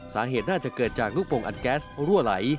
สาเหตุน่าจะเกิดจากลูกโปรงอัดแก๊สรั่วไหล